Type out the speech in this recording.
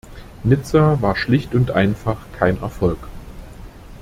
Nizza war schlicht und einfach kein Erfolg.